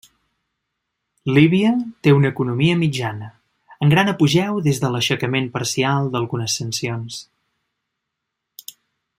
Líbia té una economia mitjana, en gran apogeu des de l'aixecament parcial d'algunes sancions.